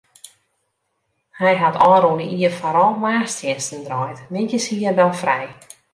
Hy hat ôfrûne jier foaral moarnstsjinsten draaid, middeis hie er dan frij.